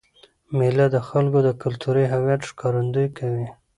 مېله د خلکو د کلتوري هویت ښکارندويي کوي.